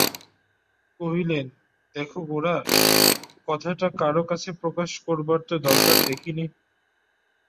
কহিলেন, দেখো গোরা, কথাটা কারো কাছে প্রকাশ করবার তো দরকার দেখি নে।